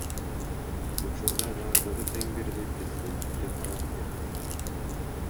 Учурда бардыгы тең бирдей президенттикке талапкер.